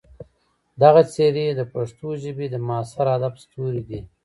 دغه څېرې د پښتو ژبې د معاصر ادب ستوري دي.